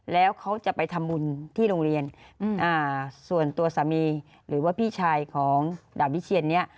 แล้วเขาจะไปทำบุญที่โรงเรียนส่วนตัวสามีหรือว่าพี่ชายของดาบวิเชียนเนี่ย